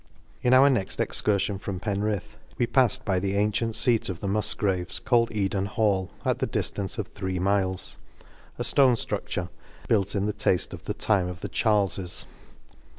In our next excurfion from Penrith, we paft by the antient feat of the Mufgraves, called Eden Hall, at the diftance of three miles; a ftone ftrudlure, built in the tafte of the time of the Charles's.